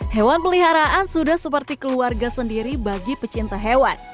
hewan peliharaan sudah seperti keluarga sendiri bagi pecinta hewan